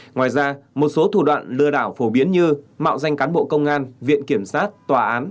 ngoài ra một số thủ đoạn lừa đảo phổ biến như mạo danh cán bộ công an viện kiểm sát tòa án